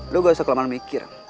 lo gak usah kelamaan mikir